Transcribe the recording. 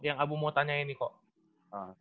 yang aku mau tanya ini koko